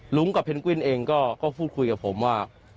กับเพนกวินเองก็พูดคุยกับผมว่า